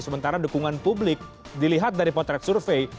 sementara dukungan publik dilihat dari potret survei